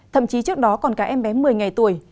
thậm chí trước đó còn cả em bé một mươi ngày tuổi